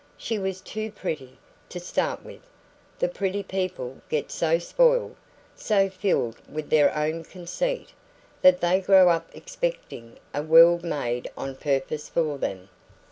She was too pretty, to start with. The pretty people get so spoiled, so filled with their own conceit, that they grow up expecting a world made on purpose for them.